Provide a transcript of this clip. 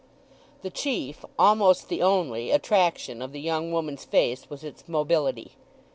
The chief—almost the only—attraction of the young woman's face was its mobility.